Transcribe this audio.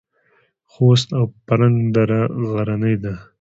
خوست او فرنګ دره غرنۍ ده؟